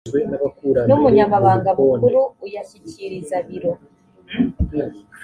n umunyamabanga mukuru uyashyikiriza biro